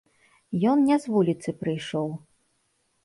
Ён не з вуліцы прыйшоў.